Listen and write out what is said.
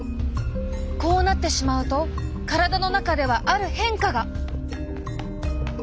こうなってしまうと体の中ではある変化が！